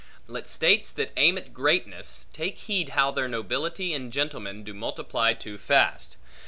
Let states that aim at greatness, take heed how their nobility and gentlemen do multiply too fast.